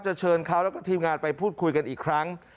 เชิญเขาแล้วก็ทีมงานไปพูดคุยกันอีกครั้ง